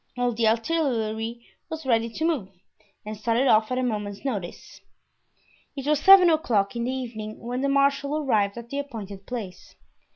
All the artillery was ready to move, and started off at a moment's notice. It was seven o'clock in the evening when the marshal arrived at the appointed place.